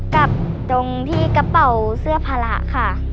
กับตรงที่กระเป๋าเสื้อภาระค่ะ